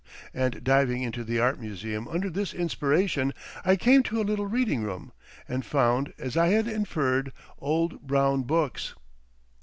And diving into the Art Museum under this inspiration, I came to a little reading room and found as I had inferred, old brown books!